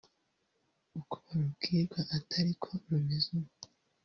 uko barubwirwa atari ko rumeze ubu